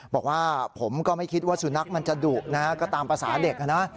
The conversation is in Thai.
บอกว่าผมก็ไม่คิดว่าสุนัขมันจะดุนะฮะก็ตามภาษาเด็กนะ